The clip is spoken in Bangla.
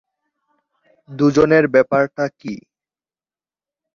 দুজনের ব্যাপারটা কী?